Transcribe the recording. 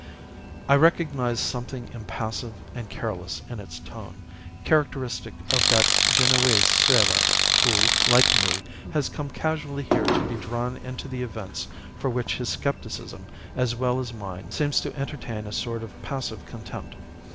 "I recognized something impassive and careless in its tone, characteristic of that Genoese sailor who, like me, has come casually here to be drawn into the events for which his scepticism as well as mine seems to entertain a sort of passive contempt.